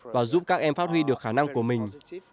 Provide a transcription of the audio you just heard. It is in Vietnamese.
và giúp các em phát huy được khả năng của mình